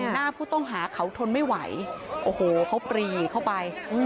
หน้าผู้ต้องหาเขาทนไม่ไหวโอ้โหเขาปรีเข้าไป